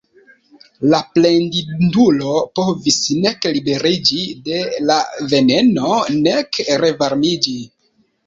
La plendindulo povis nek liberiĝi de la veneno nek revarmiĝi.